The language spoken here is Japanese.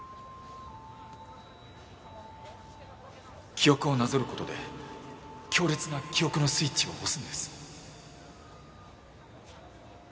記憶をなぞる事で強烈な記憶のスイッチを押すんです。